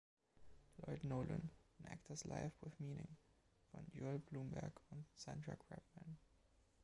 „Lloyd Nolan: An Actor’s Life With Meaning“, von Joel Blumberg und Sandra Grabman.